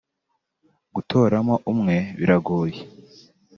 Gutoramo umwe biragoye